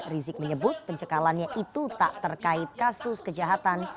rizik menyebut pencekalannya itu tak terkait kasus kejahatan